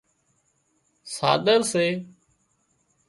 ساۮر سي